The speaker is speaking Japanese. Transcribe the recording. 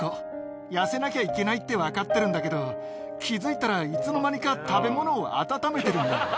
痩せなきゃいけないって分かってるんだけど、気付いたら、いつの間にか食べ物を温めてるんだ。